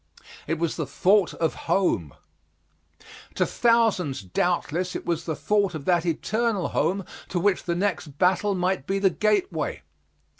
It was the thought of home. To thousands, doubtless, it was the thought of that Eternal Home to which the next battle might be the gateway.